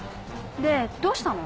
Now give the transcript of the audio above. でどうしたの？